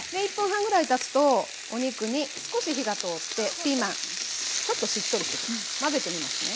１分半ぐらいたつとお肉に少し火が通ってピーマンちょっとしっとりしてきます。